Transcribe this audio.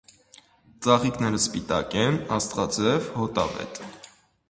Ծաղիկները սպիտակ են, աստղաձև, հոտավետ։